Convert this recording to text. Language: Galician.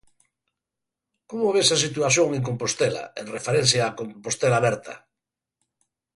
Como ves a situación en Compostela, en referencia a Compostela Aberta?